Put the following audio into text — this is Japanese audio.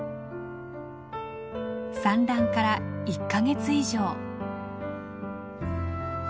産卵から１か月以上。